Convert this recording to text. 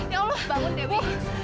ya allah bangun dewi